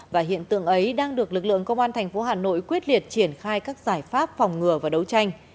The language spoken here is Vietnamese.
và hiện tượng ấy đang được lực lượng công an thành phố hà nội quyết liệt triển khai các giải pháp phòng ngừa và đấu tranh